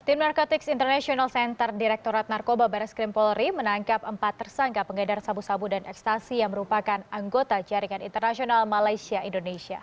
tim narkotics international center direkturat narkoba baris krim polri menangkap empat tersangka pengedar sabu sabu dan ekstasi yang merupakan anggota jaringan internasional malaysia indonesia